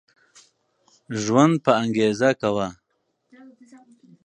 ژوند په انګيزه کوه